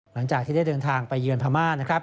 หลังจากที่ได้เดินทางไปเยือนพม่านะครับ